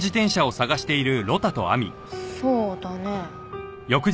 そうだね。